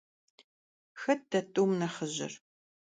Xet de t'um nexhıjır?